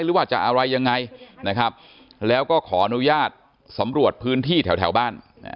หรือว่าจะอะไรยังไงนะครับแล้วก็ขออนุญาตสำรวจพื้นที่แถวบ้าน